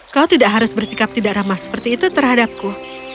kau tidak harus bersikap tidak ramah seperti itu terhadapku